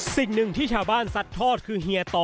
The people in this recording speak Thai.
สิ่งหนึ่งที่ชาวบ้านซัดทอดคือเฮียต่อ